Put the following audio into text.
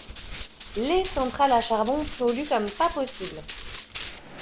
Les centrales à charbon polluent comme pas possible.